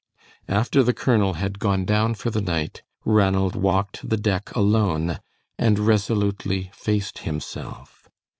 After the colonel had gone down for the night, Ranald walked the deck alone and resolutely faced himself.